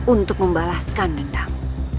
untuk membalaskan dendamu